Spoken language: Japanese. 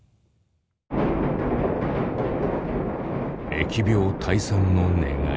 疫病退散の願い。